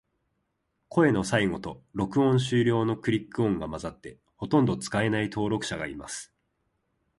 声の最後と、録音終了のクリック音が混ざって、ほとんど使えない登録者がいます。